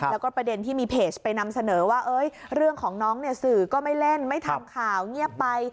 แล้วก็ประเด็นที่มีเพจไปนำเสนอว่าเรื่องของน้องเนี่ยสื่อก็ไม่เล่นไม่ทำข่าวเงียบไป